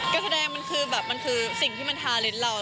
เกอร์แสไดงคือสิ่งที่มันทารทระเรา